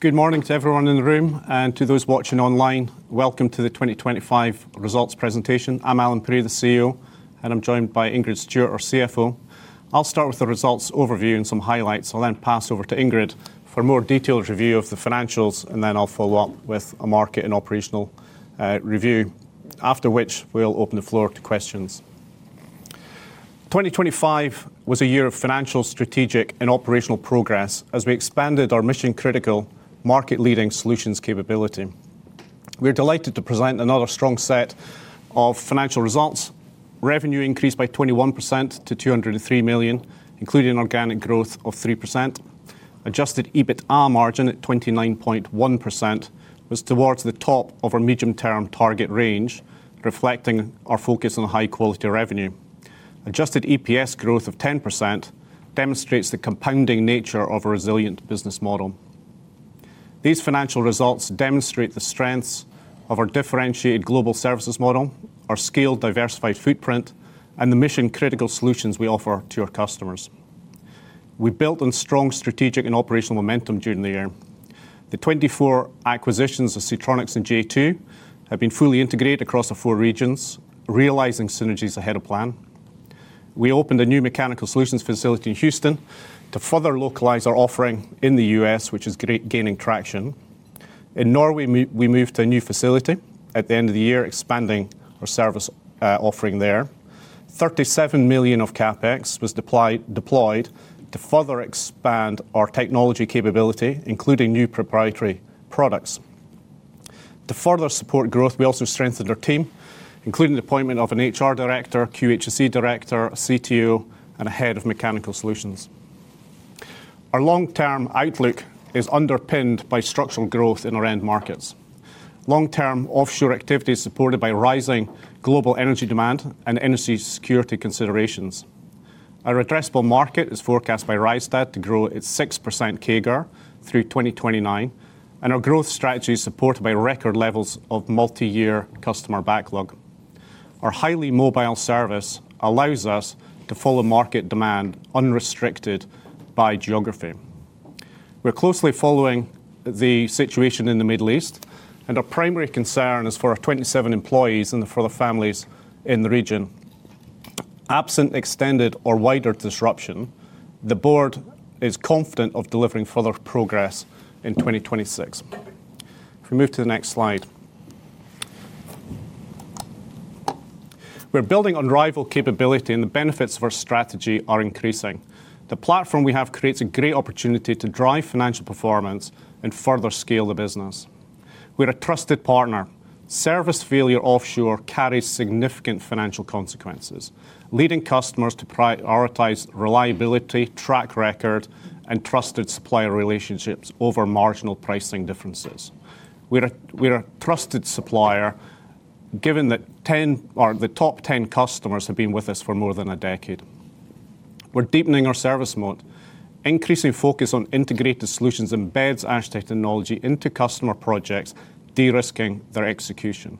Good morning to everyone in the room and to those watching online. Welcome to the 2025 results presentation. I'm Allan Pirie, the CEO, and I'm joined by Ingrid Stewart, our CFO. I'll start with the results overview and some highlights. I'll then pass over to Ingrid for a more detailed review of the financials, and then I'll follow up with a market and operational review, after which we'll open the floor to questions. 2025 was a year of financial, strategic, and operational progress as we expanded our mission-critical, market-leading solutions capability. We're delighted to present another strong set of financial results. Revenue increased by 21% to 203 million, including organic growth of 3%. Adjusted EBITDA margin at 29.1% was towards the top of our medium-term target range, reflecting our focus on high-quality revenue. Adjusted EPS growth of 10% demonstrates the compounding nature of a resilient business model. These financial results demonstrate the strengths of our differentiated global services model, our scaled diversified footprint, and the mission-critical solutions we offer to our customers. We built on strong strategic and operational momentum during the year. The 24 acquisitions of Seatronics and J2 have been fully integrated across the four regions, realizing synergies ahead of plan. We opened a new Mechanical Solutions facility in Houston to further localize our offering in the US, which is gaining traction. In Norway, we moved to a new facility at the end of the year, expanding our service offering there. 37 million of CapEx was deployed to further expand our technology capability, including new proprietary products. To further support growth, we also strengthened our team, including the appointment of an HR director, QHSE director, a CTO, and a head of Mechanical Solutions. Our long-term outlook is underpinned by structural growth in our end markets. Long-term offshore activity is supported by rising global energy demand and energy security considerations. Our addressable market is forecast by Rystad to grow at 6% CAGR through 2029, and our growth strategy is supported by record levels of multiyear customer backlog. Our highly mobile service allows us to follow market demand unrestricted by geography. We're closely following the situation in the Middle East, and our primary concern is for our 27 employees and for the families in the region. Absent extended or wider disruption, the board is confident of delivering further progress in 2026. If we move to the next slide. We're building unrivaled capability, and the benefits of our strategy are increasing. The platform we have creates a great opportunity to drive financial performance and further scale the business. We're a trusted partner. Service failure offshore carries significant financial consequences, leading customers to prioritize reliability, track record, and trusted supplier relationships over marginal pricing differences. We're a trusted supplier, given that ten of the top ten customers have been with us for more than a decade. We're deepening our service model. Increasing focus on integrated solutions embeds Ashtead Technology into customer projects, de-risking their execution.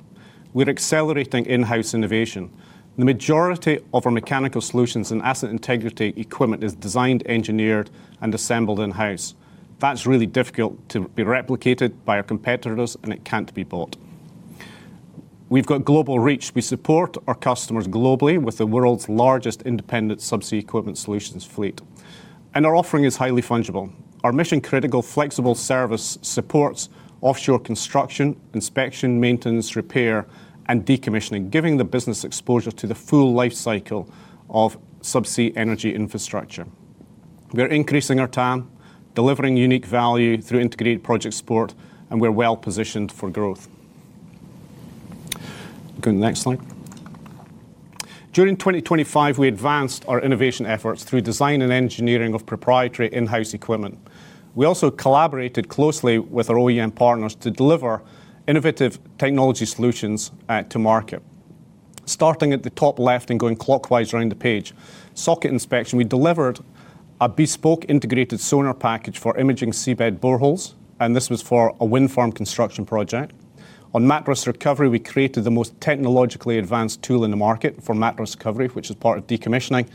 We're accelerating in-house innovation. The majority of our Mechanical Solutions and Asset Integrity equipment is designed, engineered, and assembled in-house. That's really difficult to be replicated by our competitors, and it can't be bought. We've got global reach. We support our customers globally with the world's largest independent subsea equipment solutions fleet, and our offering is highly fungible. Our mission-critical flexible service supports offshore construction, inspection, maintenance, repair, and decommissioning, giving the business exposure to the full life cycle of subsea energy infrastructure. We are increasing our TAM, delivering unique value through integrated project support, and we're well-positioned for growth. Go to the next slide. During 2025, we advanced our innovation efforts through design and engineering of proprietary in-house equipment. We also collaborated closely with our OEM partners to deliver innovative technology solutions to market. Starting at the top left and going clockwise around the page. Socket inspection, we delivered a bespoke integrated sonar package for imaging seabed boreholes, and this was for a wind farm construction project. On mattress recovery, we created the most technologically advanced tool in the market for mattress recovery, which is part of decommissioning,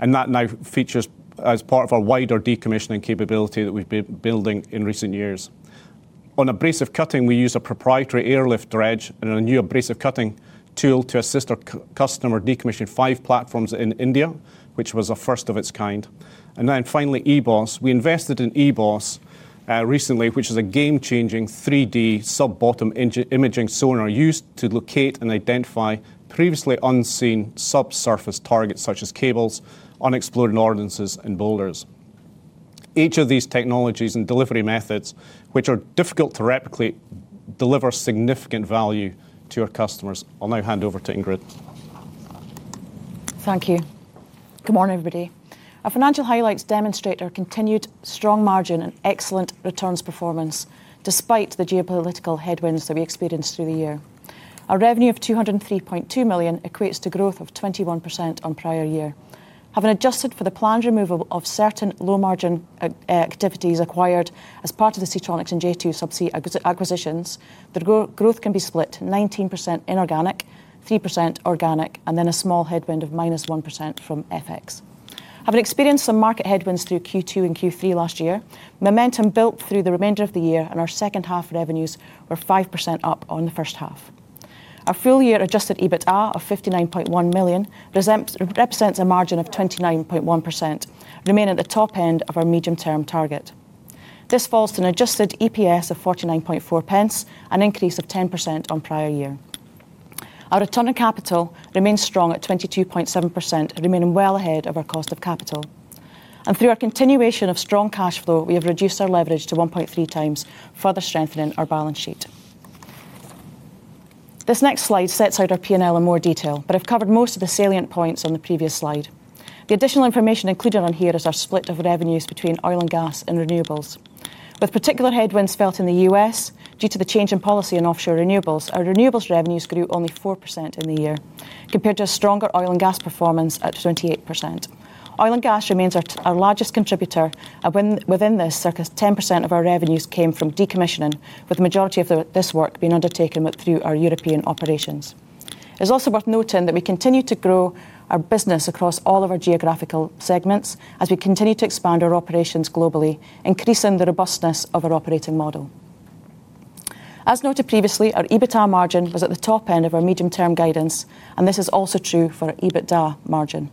and that now features as part of our wider decommissioning capability that we've been building in recent years. On abrasive cutting, we use a proprietary Airlift Dredge and a new abrasive cutting tool to assist our customer decommission five platforms in India, which was a first of its kind. eBOS. We invested in eBOS recently, which is a game-changing 3D sub-bottom imaging sonar used to locate and identify previously unseen subsurface targets such as cables, unexploded ordnance, and boulders. Each of these technologies and delivery methods, which are difficult to replicate, deliver significant value to our customers. I'll now hand over to Ingrid. Thank you. Good morning, everybody. Our financial highlights demonstrate our continued strong margin and excellent returns performance despite the geopolitical headwinds that we experienced through the year. Our revenue of 203.2 million equates to growth of 21% on prior year. Having adjusted for the planned removal of certain low-margin activities acquired as part of the Seatronics and J2 Subsea acquisitions, the growth can be split 19% inorganic, 3% organic, and then a small headwind of -1% from FX. Having experienced some market headwinds through Q2 and Q3 last year, momentum built through the remainder of the year and our second half revenues were 5% up on the first half. Our full-year adjusted EBITDA of 59.1 million represents a margin of 29.1%, remaining at the top end of our medium-term target. This falls to an adjusted EPS of 49.4 pence, an increase of 10% on prior year. Our return on capital remains strong at 22.7%, remaining well ahead of our cost of capital. Through our continuation of strong cash flow, we have reduced our leverage to 1.3x, further strengthening our balance sheet. This next slide sets out our P&L in more detail, but I've covered most of the salient points on the previous slide. The additional information included on here is our split of revenues between oil and gas and renewables. With particular headwinds felt in the US due to the change in policy in offshore renewables, our renewables revenues grew only 4% in the year, compared to a stronger oil and gas performance at 28%. Oil and gas remains our largest contributor, and within this, circa 10% of our revenues came from decommissioning, with the majority of this work being undertaken through our European operations. It is also worth noting that we continue to grow our business across all of our geographical segments as we continue to expand our operations globally, increasing the robustness of our operating model. As noted previously, our EBITDA margin was at the top end of our medium-term guidance, and this is also true for our EBITDA margin.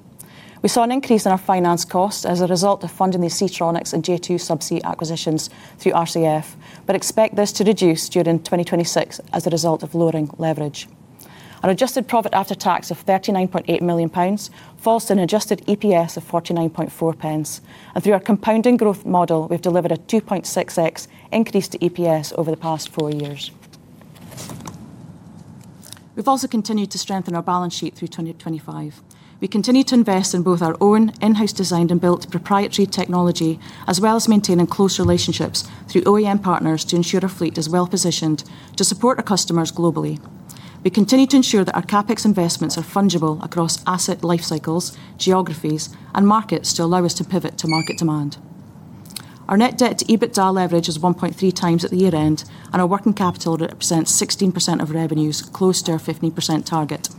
We saw an increase in our finance cost as a result of funding the Seatronics and J2 Subsea acquisitions through RCF, but expect this to reduce during 2026 as a result of lowering leverage. Our adjusted profit after tax of 39.8 million pounds falls to an adjusted EPS of 49.4 pence. Through our compounding growth model, we've delivered a 2.6x increase to EPS over the past four years. We've also continued to strengthen our balance sheet through 2025. We continue to invest in both our own in-house designed and built proprietary technology, as well as maintaining close relationships through OEM partners to ensure our fleet is well-positioned to support our customers globally. We continue to ensure that our CapEx investments are fungible across asset life cycles, geographies, and markets to allow us to pivot to market demand. Our net debt to EBITDA leverage is 1.3x at the year-end, and our working capital represents 16% of revenues, close to our 15% target.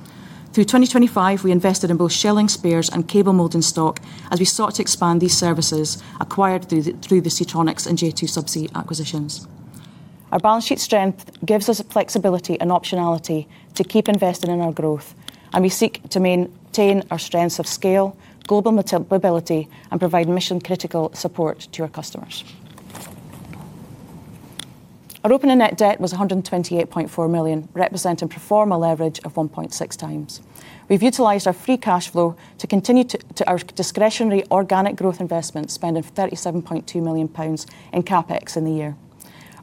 Through 2025, we invested in both shelling spares and cable molding stock as we sought to expand these services acquired through the Seatronics and J2 Subsea acquisitions. Our balance sheet strength gives us the flexibility and optionality to keep investing in our growth, and we seek to maintain our strengths of scale, global mobility, and provide mission-critical support to our customers. Our opening net debt was 128.4 million, representing pro forma leverage of 1.6x. We've utilized our free cash flow to continue to our discretionary organic growth investment, spending 37.2 million pounds in CapEx in the year.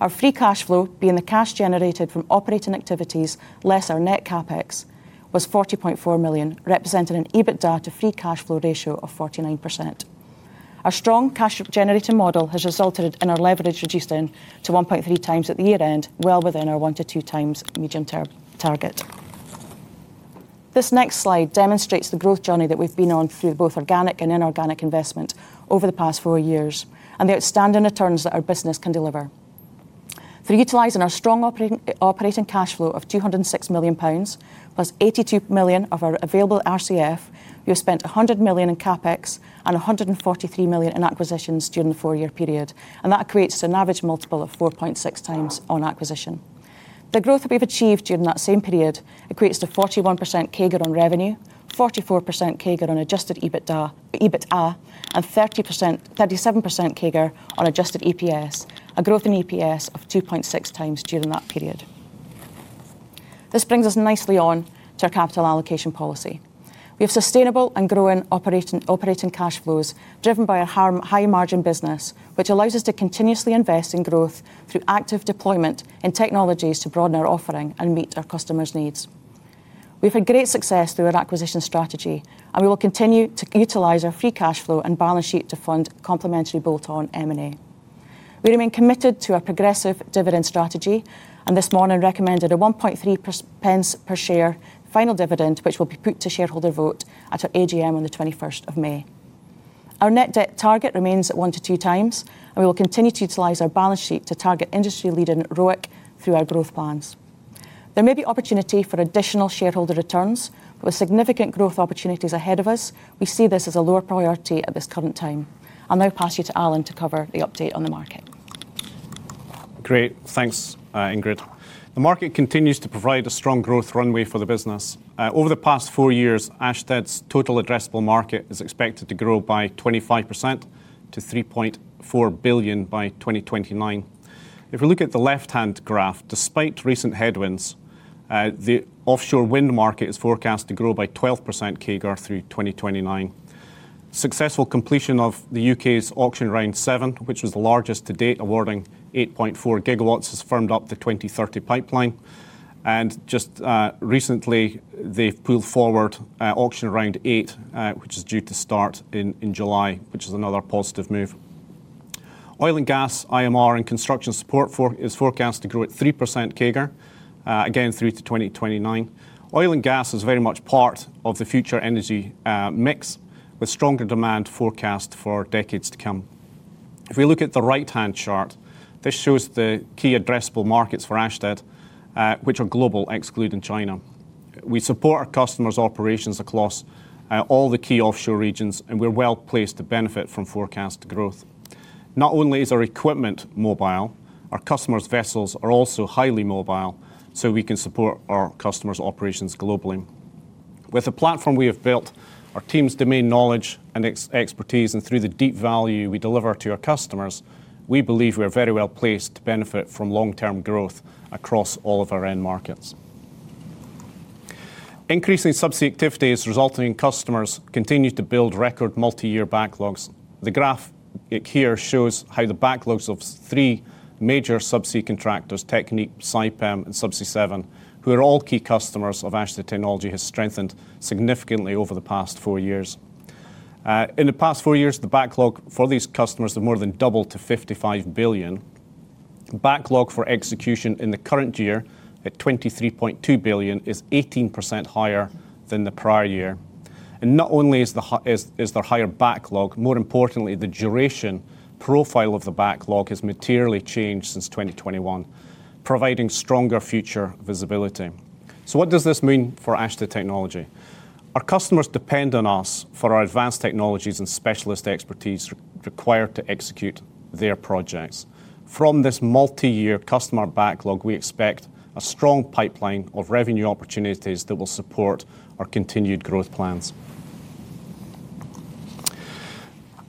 Our free cash flow, being the cash generated from operating activities less our net CapEx, was 40.4 million, representing an EBITDA to free cash flow ratio of 49%. Our strong cash generating model has resulted in our leverage reduced down to 1.3x at the year-end, well within our 1x to 2x medium term target. This next slide demonstrates the growth journey that we've been on through both organic and inorganic investment over the past four years and the outstanding returns that our business can deliver. Through utilizing our strong operating cash flow of 206 million pounds, plus 82 million of our available RCF, we have spent 100 million in CapEx and 143 million in acquisitions during the four-year period, and that creates an average multiple of 4.6x on acquisition. The growth we've achieved during that same period equates to 41% CAGR on revenue, 44% CAGR on adjusted EBITDA, and 37% CAGR on adjusted EPS, a growth in EPS of 2.6x during that period. This brings us nicely on to our capital allocation policy. We have sustainable and growing operating cash flows driven by our high margin business, which allows us to continuously invest in growth through active deployment in technologies to broaden our offering and meet our customers' needs. We've had great success through our acquisition strategy, and we will continue to utilize our free cash flow and balance sheet to fund complementary bolt-on M&A. We remain committed to our progressive dividend strategy and this morning recommended a 0.013 per share final dividend, which will be put to shareholder vote at our AGM on the twenty-first of May. Our net debt target remains at 1x to 2x, and we will continue to utilize our balance sheet to target industry-leading ROIC through our growth plans. There may be opportunity for additional shareholder returns, but with significant growth opportunities ahead of us, we see this as a lower priority at this current time. I'll now pass you to Allan to cover the update on the market. Great. Thanks, Ingrid. The market continues to provide a strong growth runway for the business. Over the past four years, Ashtead Technology's total addressable market is expected to grow by 25% to 3.4 billion by 2029. If we look at the left-hand graph, despite recent headwinds, the offshore wind market is forecast to grow by 12% CAGR through 2029. Successful completion of the U.K.'s Allocation Round 7, which was the largest to date, awarding 8.4 GW, has firmed up the 2030 pipeline. Just recently, they've pulled forward Allocation Round 8, which is due to start in July, which is another positive move. Oil and gas IMR and construction support is forecast to grow at 3% CAGR again through to 2029. Oil and gas is very much part of the future energy mix, with stronger demand forecast for decades to come. If we look at the right-hand chart, this shows the key addressable markets for Ashtead, which are global, excluding China. We support our customers' operations across all the key offshore regions, and we're well-placed to benefit from forecast growth. Not only is our equipment mobile, our customers' vessels are also highly mobile, so we can support our customers' operations globally. With the platform we have built, our team's domain knowledge and expertise, and through the deep value we deliver to our customers, we believe we are very well-placed to benefit from long-term growth across all of our end markets. Increasing subsea activity is resulting in customers continuing to build record multi-year backlogs. The graph here shows how the backlogs of the three major subsea contractors, TechnipFMC, Saipem and Subsea 7, who are all key customers of Ashtead Technology, has strengthened significantly over the past four years. In the past four years, the backlog for these customers have more than doubled to 55 billion. Backlog for execution in the current year at 23.2 billion is 18% higher than the prior year. Not only is there higher backlog, more importantly, the duration profile of the backlog has materially changed since 2021, providing stronger future visibility. What does this mean for Ashtead Technology? Our customers depend on us for our advanced technologies and specialist expertise required to execute their projects. From this multi-year customer backlog, we expect a strong pipeline of revenue opportunities that will support our continued growth plans.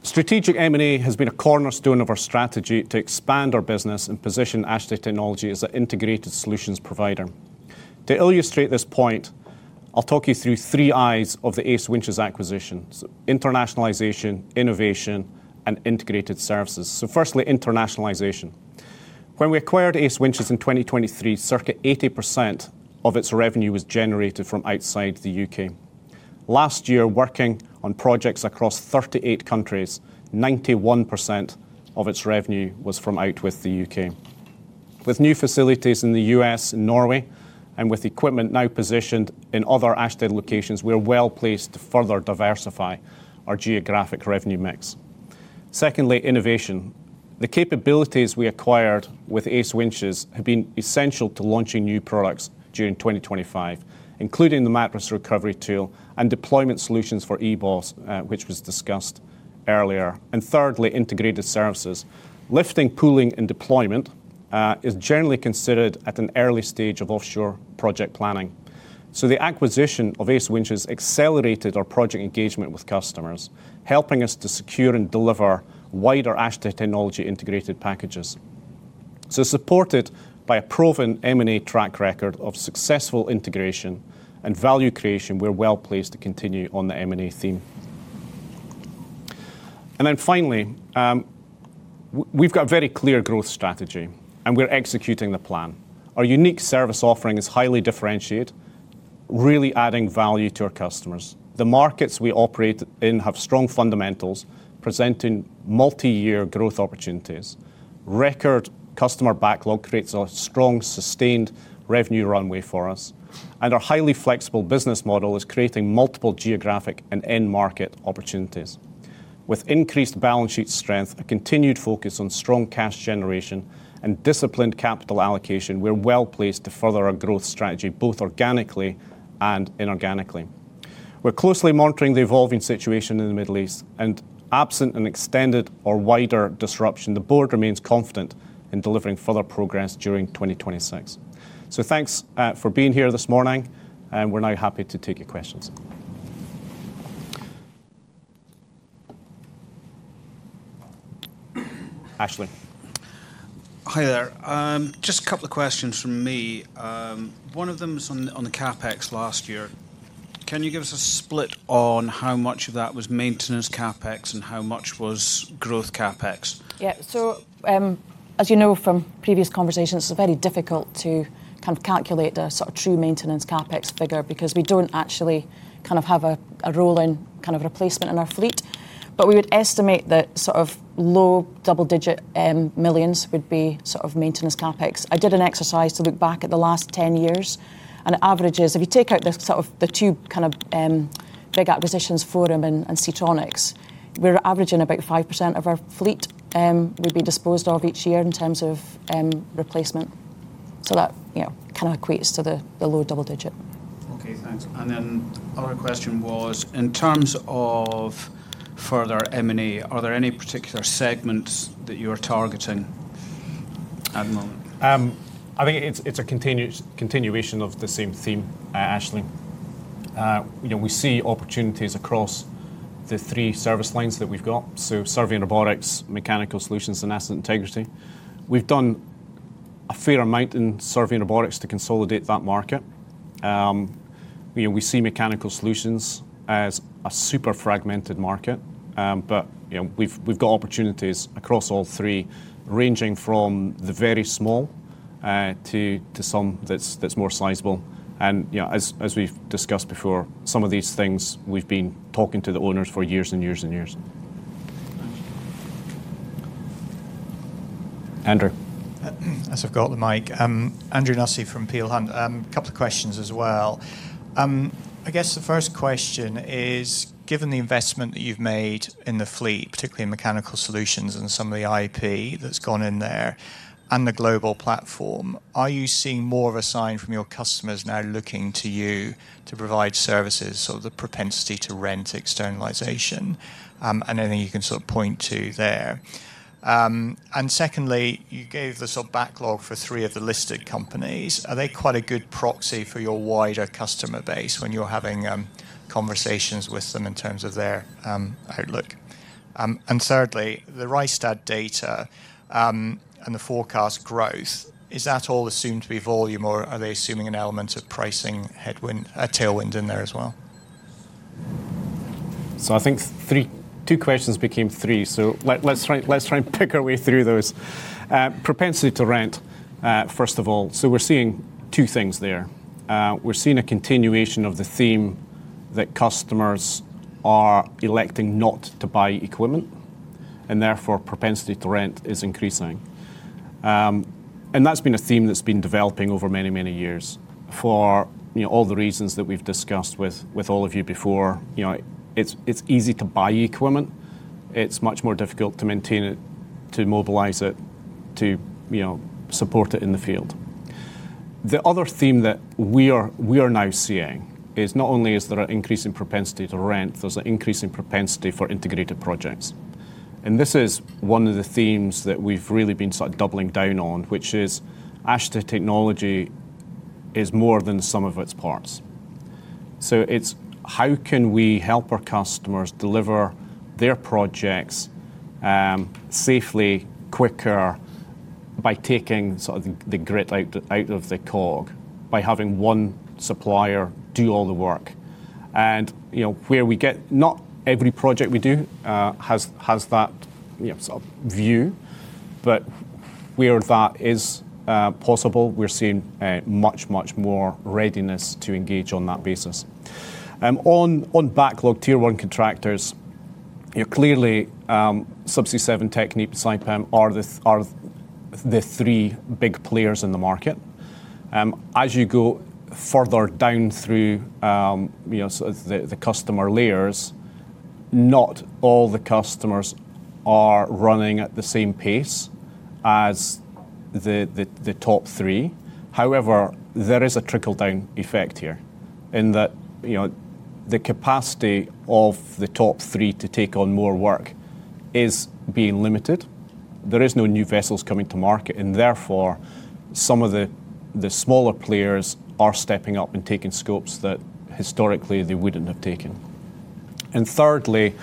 Strategic M&A has been a cornerstone of our strategy to expand our business and position Ashtead Technology as an integrated solutions provider. To illustrate this point, I'll talk you through three Is of the ACE Winches acquisition. Internationalization, innovation, and integrated services. Firstly, internationalization. When we acquired ACE Winches in 2023, circa 80% of its revenue was generated from outside the U.K. Last year, working on projects across 38 countries, 91% of its revenue was from outwith the U.K. With new facilities in the U.S. and Norway, and with equipment now positioned in other Ashtead locations, we are well-placed to further diversify our geographic revenue mix. Secondly, innovation. The capabilities we acquired with ACE Winches have been essential to launching new products during 2025, including the Mattress recovery tool and deployment solutions for eBOS, which was discussed earlier. Thirdly, integrated services. Lifting, pooling, and deployment is generally considered at an early stage of offshore project planning. The acquisition of ACE Winches accelerated our project engagement with customers, helping us to secure and deliver wider Ashtead Technology integrated packages. Supported by a proven M&A track record of successful integration and value creation, we're well-placed to continue on the M&A theme. Finally, we've got a very clear growth strategy, and we're executing the plan. Our unique service offering is highly differentiated, really adding value to our customers. The markets we operate in have strong fundamentals, presenting multi-year growth opportunities. Record customer backlog creates a strong, sustained revenue runway for us, and our highly flexible business model is creating multiple geographic and end market opportunities. With increased balance sheet strength, a continued focus on strong cash generation, and disciplined capital allocation, we're well-placed to further our growth strategy, both organically and inorganically. We're closely monitoring the evolving situation in the Middle East, and absent an extended or wider disruption, the board remains confident in delivering further progress during 2026. Thanks for being here this morning, and we're now happy to take your questions. Ashley? Hi there. Just a couple of questions from me. One of them is on the CapEx last year. Can you give us a split on how much of that was maintenance CapEx and how much was growth CapEx? Yeah. As you know from previous conversations, it's very difficult to kind of calculate the sort of true maintenance CapEx figure because we don't actually kind of have a rolling kind of replacement in our fleet. We would estimate that sort of low double-digit millions would be sort of maintenance CapEx. I did an exercise to look back at the last 10 years, and it averages. If you take out the two kind of big acquisitions, Forum and Seatronics, we're averaging about 5% of our fleet would be disposed of each year in terms of replacement. That, you know, kind of equates to the low double digit. Okay, thanks. Other question was, in terms of further M&A, are there any particular segments that you're targeting at the moment? I think it's a continuation of the same theme, Ashley. You know, we see opportunities across the three service lines that we've got. So Survey and Robotics, Mechanical Solutions, and Asset Integrity. We've done a fair amount in Survey and Robotics to consolidate that market. You know, we see Mechanical Solutions as a super fragmented market. But, you know, we've got opportunities across all three, ranging from the very small to some that's more sizable. You know, as we've discussed before, some of these things we've been talking to the owners for years and years and years. As I've got the mic, Andrew Nussey from Peel Hunt. Couple of questions as well. I guess the first question is, given the investment that you've made in the fleet, particularly in Mechanical Solutions and some of the IP that's gone in there and the global platform, are you seeing more of a sign from your customers now looking to you to provide services so the propensity to rent externalization, and anything you can sort of point to there? And secondly, you gave the sort of backlog for three of the listed companies. Are they quite a good proxy for your wider customer base when you're having conversations with them in terms of their outlook? Thirdly, the Rystad data and the forecast growth, is that all assumed to be volume, or are they assuming an element of pricing headwind, tailwind in there as well? I think two questions became three. Let's try and pick our way through those. Propensity to rent, first of all, so we're seeing two things there. We're seeing a continuation of the theme that customers are electing not to buy equipment, and therefore propensity to rent is increasing. And that's been a theme that's been developing over many, many years for, you know, all the reasons that we've discussed with all of you before. You know, it's easy to buy equipment. It's much more difficult to maintain it, to mobilize it, to, you know, support it in the field. The other theme that we are now seeing is not only is there an increasing propensity to rent, there's an increasing propensity for integrated projects. This is one of the themes that we've really been sort of doubling down on, which is Ashtead Technology is more than sum of its parts. It's how can we help our customers deliver their projects safely, quicker by taking sort of the grit out of the cog by having one supplier do all the work. Not every project we do has that, you know, sort of view. Where that is possible, we're seeing much more readiness to engage on that basis. On backlog Tier 1 contractors, you know, clearly, Subsea 7, TechnipFMC, Saipem are the three big players in the market. As you go further down through, you know, sort of the customer layers, not all the customers are running at the same pace as the top three. However, there is a trickle-down effect here in that, you know, the capacity of the top three to take on more work is being limited. There is no new vessels coming to market and therefore some of the smaller players are stepping up and taking scopes that historically they wouldn't have taken. Thirdly,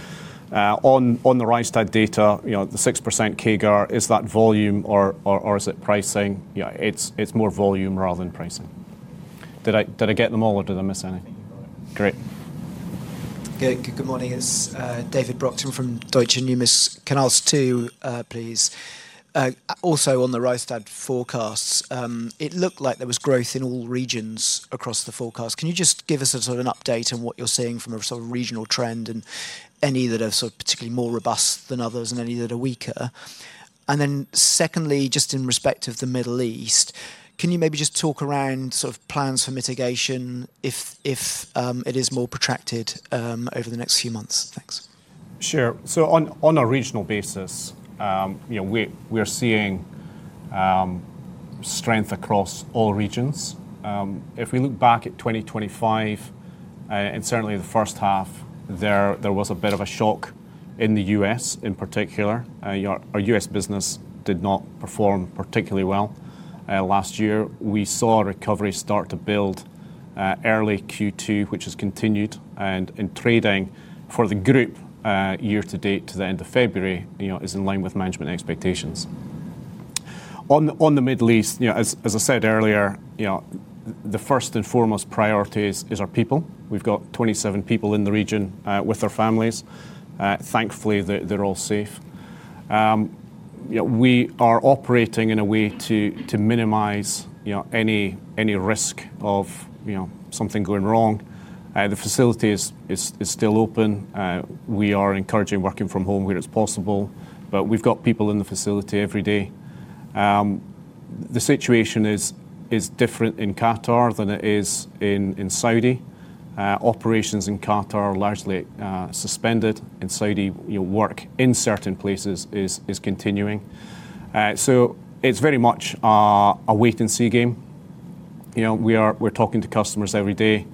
on the Rystad data, you know, the 6% CAGR, is that volume or is it pricing? Yeah, it's more volume rather than pricing. Did I get them all or did I miss any? Thank you, Colin. Great. Good morning. It's David Buxton from Deutsche Numis. Can I ask two, please? Also on the Rystad forecasts, it looked like there was growth in all regions across the forecast. Can you just give us a sort of an update on what you're seeing from a sort of regional trend and any that are sort of particularly more robust than others and any that are weaker? Secondly, just in respect of the Middle East, can you maybe just talk around sort of plans for mitigation if it is more protracted over the next few months? Thanks. Sure. On a regional basis, you know, we're seeing strength across all regions. If we look back at 2025, and certainly the first half, there was a bit of a shock in the U.S. in particular. Our U.S. business did not perform particularly well. Last year, we saw recovery start to build early Q2, which has continued, and in trading for the group, year to date to the end of February, you know, is in line with management expectations. On the Middle East, you know, as I said earlier, you know, the first and foremost priority is our people. We've got 27 people in the region with their families. Thankfully, they're all safe. You know, we are operating in a way to minimize, you know, any risk of, you know, something going wrong. The facility is still open. We are encouraging working from home where it's possible, but we've got people in the facility every day. The situation is different in Qatar than it is in Saudi. Operations in Qatar are largely suspended. In Saudi, you know, work in certain places is continuing. It's very much a wait and see game. You know, we're talking to customers every day.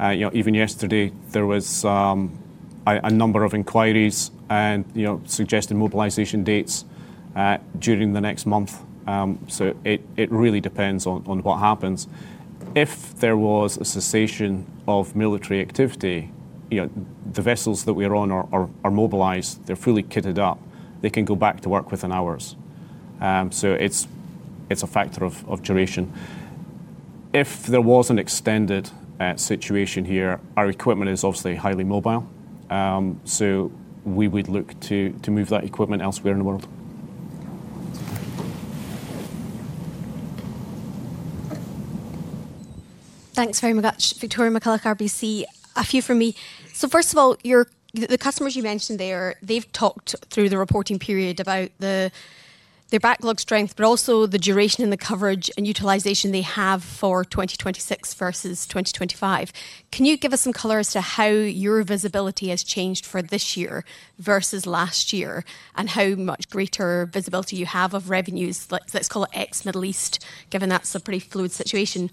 You know, even yesterday there was a number of inquiries and, you know, suggesting mobilization dates during the next month. It really depends on what happens. If there was a cessation of military activity, you know, the vessels that we are on are mobilized. They're fully kitted up. They can go back to work within hours. It's a factor of duration. If there was an extended situation here, our equipment is obviously highly mobile, we would look to move that equipment elsewhere in the world. Thanks very much. Victoria McCulloch, RBC. A few from me. First of all, the customers you mentioned there, they've talked through the reporting period about their backlog strength, but also the duration and the coverage and utilization they have for 2026 versus 2025. Can you give us some color as to how your visibility has changed for this year versus last year, and how much greater visibility you have of revenues, let's call it ex Middle East, given that's a pretty fluid situation?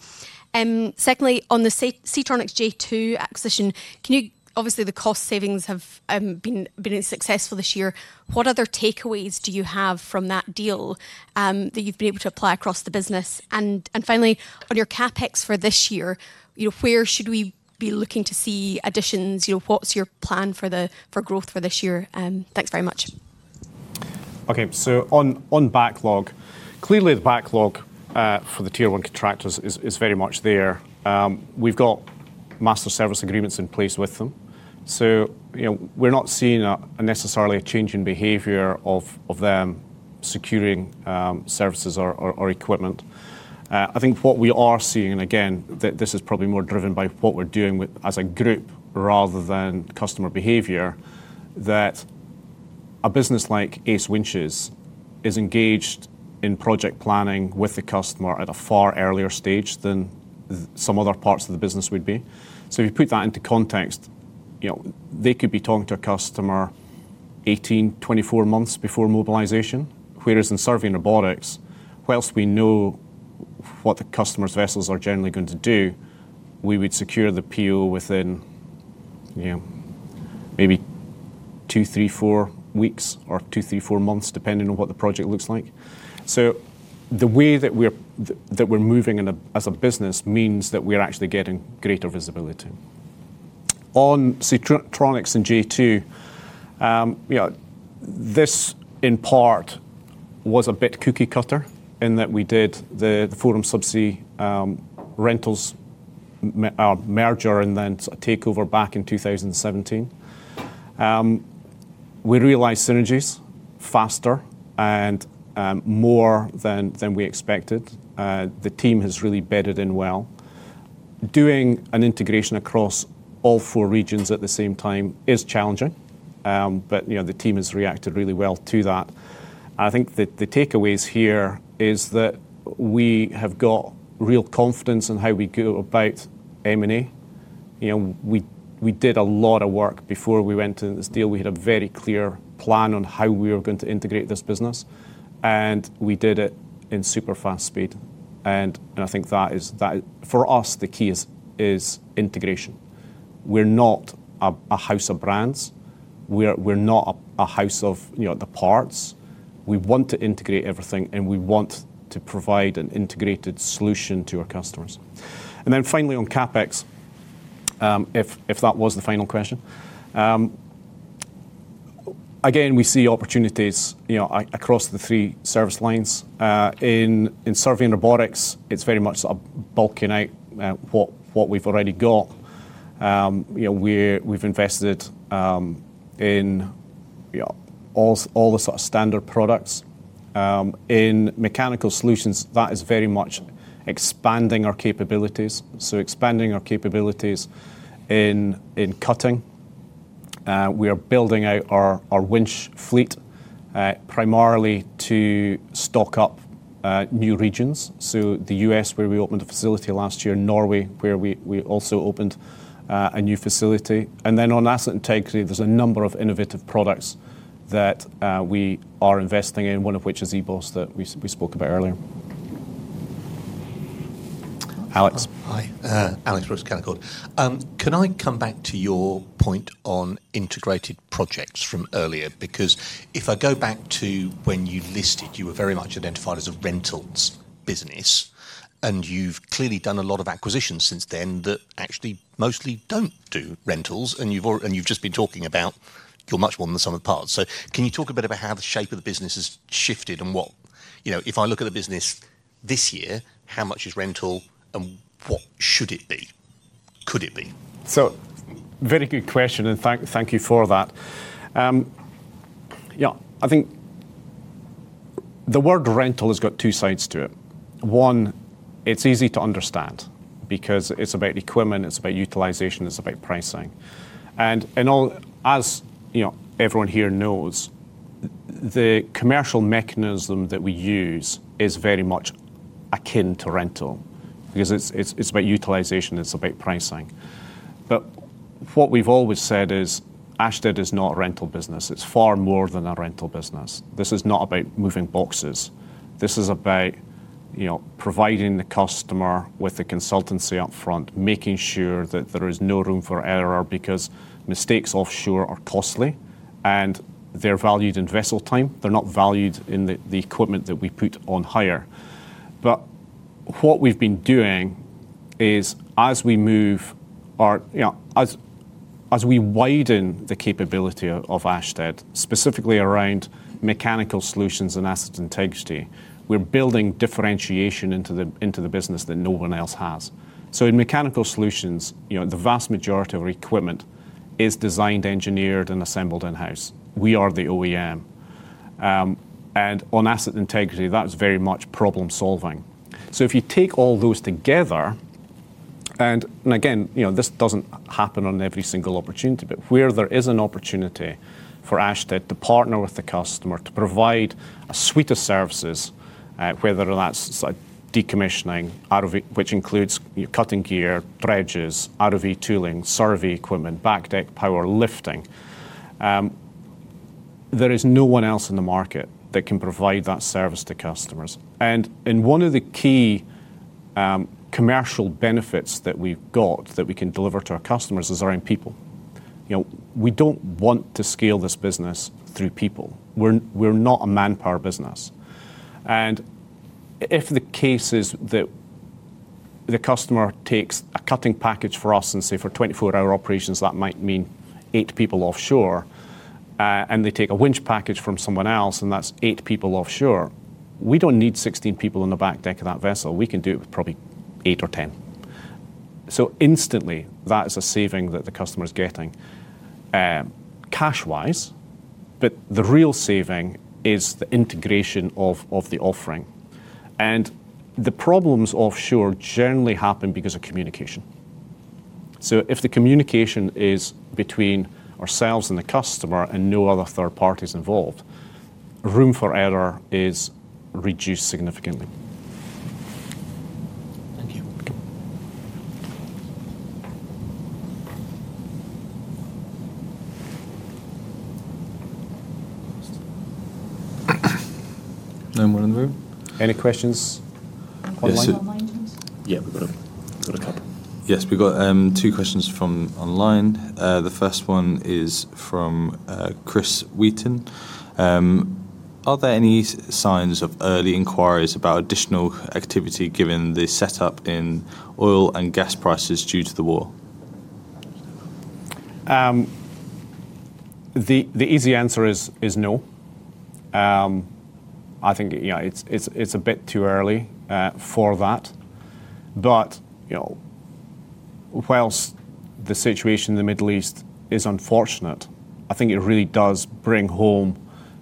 Secondly, on the Seatronics J2 acquisition, can you obviously the cost savings have been successful this year. What other takeaways do you have from that deal, that you've been able to apply across the business? Finally, on your CapEx for this year, you know, where should we be looking to see additions? You know, what's your plan for growth for this year? Thanks very much. On backlog. Clearly the backlog for the tier one contractors is very much there. We've got master service agreements in place with them. You know, we're not seeing necessarily a change in behavior of them securing services or equipment. I think what we are seeing, and again, this is probably more driven by what we're doing with us as a group rather than customer behavior, that a business like ACE Winches is engaged in project planning with the customer at a far earlier stage than some other parts of the business would be. If you put that into context, you know, they could be talking to a customer 18-24 months before mobilization, whereas in Survey & Robotics, while we know what the customer's vessels are generally going to do, we would secure the PO within, you know, maybe two, three, four weeks or two, three, four months, depending on what the project looks like. The way that we're moving as a business means that we are actually getting greater visibility. On Seatronics and J2, you know, this in part was a bit cookie cutter in that we did the Forum Subsea Rentals merger and then sort of takeover back in 2017. We realized synergies faster and more than we expected. The team has really bedded in well. Doing an integration across all four regions at the same time is challenging, but you know, the team has reacted really well to that. I think the takeaways here is that we have got real confidence in how we go about M&A. You know, we did a lot of work before we went into this deal. We had a very clear plan on how we were going to integrate this business, and we did it in super fast speed. I think that is that for us, the key is integration. We're not a house of brands. We're not a house of, you know, the parts. We want to integrate everything, and we want to provide an integrated solution to our customers. Then finally on CapEx, if that was the final question. Again, we see opportunities, you know, across the three service lines. In Survey & Robotics, it's very much sort of bulking out what we've already got. You know, we've invested in, you know, all the sort of standard products. In Mechanical Solutions, that is very much expanding our capabilities. So expanding our capabilities in cutting. We are building out our winch fleet primarily to stock up new regions. So the U.S., where we opened a facility last year, Norway, where we also opened a new facility. Then on Asset Integrity, there's a number of innovative products that we are investing in, one of which is eBOS that we spoke about earlier. Alex? Hi. Alex Brooks, Canaccord Genuity. Can I come back to your point on integrated projects from earlier? Because if I go back to when you listed, you were very much identified as a rentals business, and you've clearly done a lot of acquisitions since then that actually mostly don't do rentals. You've just been talking about you're much more than the sum of parts. Can you talk a bit about how the shape of the business has shifted and what you know, if I look at the business this year, how much is rental and what should it be? Could it be? Very good question, and thank you for that. Yeah, I think the word rental has got two sides to it. One, it's easy to understand because it's about equipment, it's about utilization, it's about pricing. In all, as you know, everyone here knows, the commercial mechanism that we use is very much akin to rental because it's about utilization, it's about pricing. But what we've always said is Ashtead is not a rental business. It's far more than a rental business. This is not about moving boxes. This is about, you know, providing the customer with the consultancy up front, making sure that there is no room for error because mistakes offshore are costly, and they're valued in vessel time. They're not valued in the equipment that we put on hire. What we've been doing is as we move our, you know, as we widen the capability of Ashtead, specifically around Mechanical Solutions and Asset Integrity, we're building differentiation into the business that no one else has. In Mechanical Solutions, you know, the vast majority of our equipment is designed, engineered, and assembled in-house. We are the OEM, and on Asset Integrity, that's very much problem-solving. If you take all those together and again, you know, this doesn't happen on every single opportunity, but where there is an opportunity for Ashtead to partner with the customer to provide a suite of services, whether that's like decommissioning, ROV, which includes cutting gear, dredges, ROV tooling, survey equipment, backdeck power, lifting. There is no one else in the market that can provide that service to customers. One of the key commercial benefits that we've got that we can deliver to our customers is our own people. You know, we don't want to scale this business through people. We're not a manpower business. If the case is that the customer takes a cutting package from us and say for 24-hour operations, that might mean eight people offshore, and they take a winch package from someone else, and that's eight people offshore. We don't need 16 people on the back deck of that vessel. We can do it with probably eight or 10. Instantly that is a saving that the customer is getting, cash-wise. The real saving is the integration of the offering. The problems offshore generally happen because of communication. If the communication is between ourselves and the customer and no other third party is involved, room for error is reduced significantly. Thank you. Welcome. No more in the room? Any questions? Yes, sir. Online ones. Yeah, we've got a couple. Yes, we've got two questions from online. The first one is from Chris Wheaton. Are there any signs of early inquiries about additional activity given the setup in oil and gas prices due to the war? The easy answer is no. I think you know, it's a bit too early for that. You know, while the situation in the Middle East is unfortunate, I think it really does bring home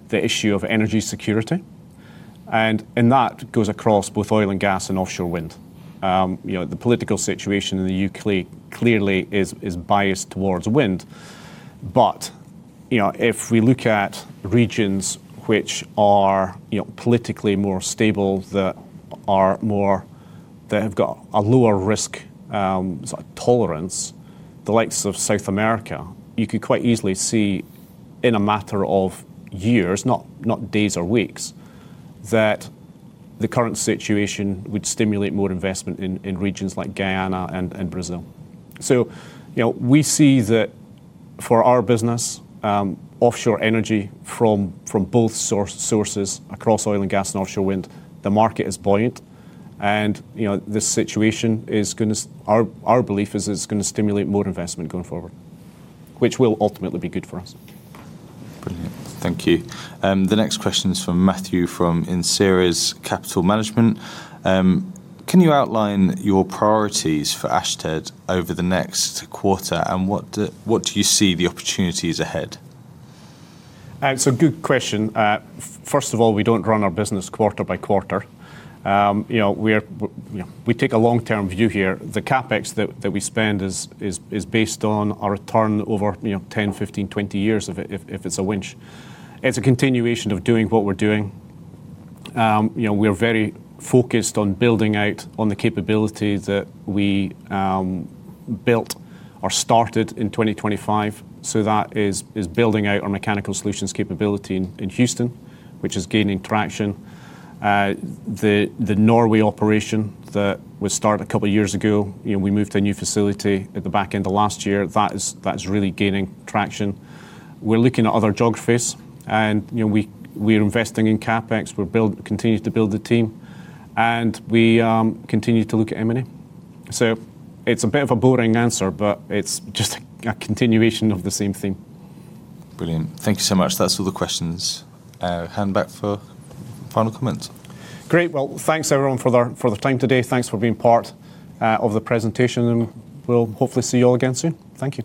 the issue of energy security and that goes across both oil and gas and offshore wind. You know, the political situation in the U.K. clearly is biased towards wind. You know, if we look at regions which are you know, politically more stable, that have got a lower risk tolerance, the likes of South America, you could quite easily see in a matter of years, not days or weeks, that the current situation would stimulate more investment in regions like Guyana and Brazil. You know, we see that for our business, offshore energy from both sources, across oil and gas and offshore wind, the market is buoyant. You know, our belief is it's gonna stimulate more investment going forward, which will ultimately be good for us. Brilliant. Thank you. The next question is from Matthew from Anseras Capital Management. Can you outline your priorities for Ashtead Technology over the next quarter, and what do you see the opportunities ahead? It's a good question. First of all, we don't run our business quarter by quarter. You know, we take a long-term view here. The CapEx that we spend is based on a return over, you know, 10, 15, 20 years if it's a winch. It's a continuation of doing what we're doing. You know, we're very focused on building out on the capability that we built or started in 2025. That is building out our Mechanical Solutions capability in Houston, which is gaining traction. The Norway operation that was started a couple of years ago, you know, we moved to a new facility at the back end of last year. That is really gaining traction. We're looking at other geographies and, you know, we're investing in CapEx. We're continuing to build the team and we continue to look at M&A. It's a bit of a boring answer, but it's just a continuation of the same thing. Brilliant. Thank you so much. That's all the questions. Hand back for final comments. Great. Well, thanks everyone for the time today. Thanks for being part of the presentation, and we'll hopefully see you all again soon. Thank you.